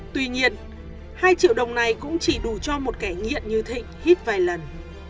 tuy nhiên hai triệu đồng này cũng chỉ đủ cho một kẻ nghiện như thịnh hít vài lần